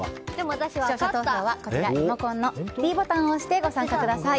視聴者投票はリモコンのｄボタンを押してご参加ください。